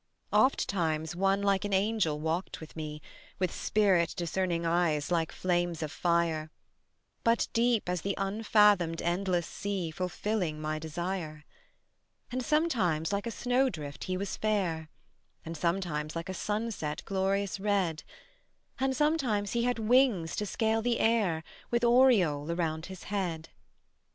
Ofttimes one like an angel walked with me, With spirit discerning eyes like flames of fire, But deep as the unfathomed endless sea Fulfilling my desire: And sometimes like a snowdrift he was fair, And sometimes like a sunset glorious red, And sometimes he had wings to scale the air With aureole round his head.